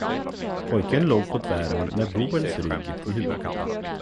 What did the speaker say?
Pojken låg på tvären med Boels rygg till huvudkudde.